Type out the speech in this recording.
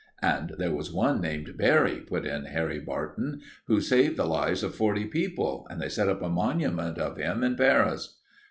"And there was one named Barry," put in Harry Barton, "who saved the lives of forty people, and they set up a monument of him in Paris."